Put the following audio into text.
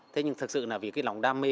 thế nhưng thực sự là vì cái lòng đam mê